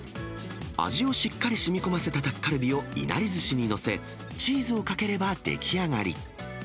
味をしっかりしみこませたタッカルビをいなりずしに載せ、チーズをかければ出来上がり。